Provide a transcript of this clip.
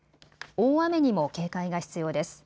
大雨にも警戒が必要です。